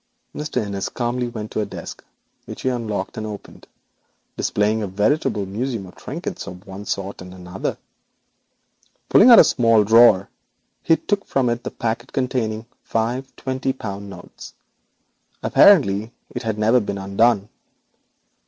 Mr. Innis calmly walked to a desk, which he unlocked and opened, displaying a veritable museum of trinkets of one sort and another. Pulling out a small drawer he took from it the packet containing the five twenty pound notes. Apparently it had never been opened.